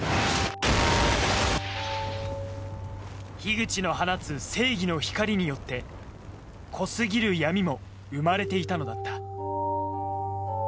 口の放つ正義の光によって濃過ぎる闇も生まれていたのだった